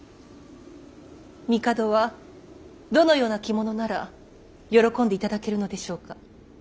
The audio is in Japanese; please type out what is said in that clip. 帝はどのような着物なら喜んでいただけるのでしょうか。